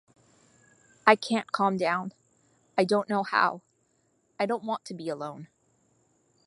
I can't calm down. I don't know how. I don't want to be alone.